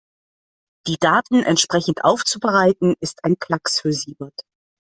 Die Daten entsprechend aufzubereiten, ist ein Klacks für Siebert.